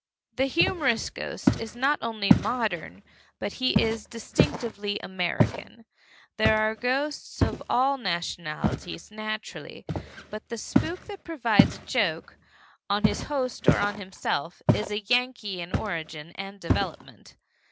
The humorous ghost is not only modern, but he is distinctively American. There are ghosts of all nationalities, naturally, but the spook that provides a joke on his host or on himself is Yankee in origin and development.